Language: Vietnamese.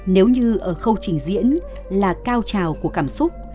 nếu như ở khâu trình diễn là cao trào của cảm xúc